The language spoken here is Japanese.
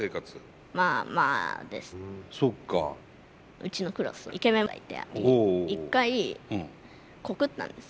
うちのクラスイケメンがいて一回告ったんです